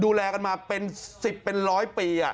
ดูแลกันมาเป็น๑๐เป็นร้อยปี